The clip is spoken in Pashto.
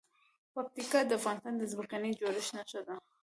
پکتیا د افغانستان د ځمکې د جوړښت نښه ده.